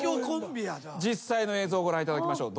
実際の映像をご覧いただきましょう。